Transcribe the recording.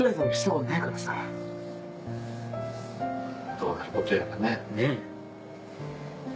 どうなることやらね。ね！